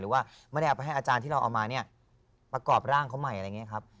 ว่าไม่ได้เอาไปให้อาจารย์ที่เราเอามาเนี่ยประกอบร่างเขาใหม่อะไรอย่างนี้ครับ